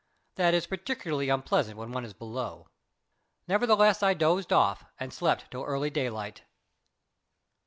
That is particularly unpleasant when one is below. Nevertheless I dozed off and slept till early daylight.